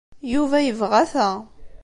Yuba yebɣa ta.